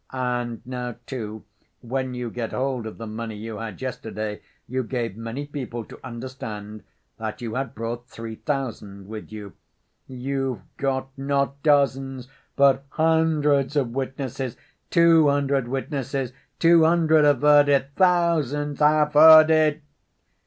And now, too, when you got hold of the money you had yesterday, you gave many people to understand that you had brought three thousand with you." "You've got not dozens, but hundreds of witnesses, two hundred witnesses, two hundred have heard it, thousands have heard it!"